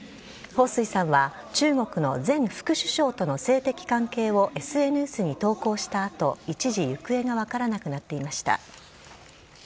彭帥さんは中国の前副首相との性的関係をＳＮＳに投稿したあと、一時、行方が分からなくなっていました。